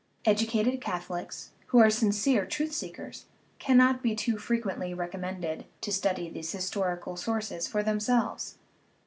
Educated Catholics, who are sincere truth seekers, cannot be too frequently recom mended to study these historical sources for themselves.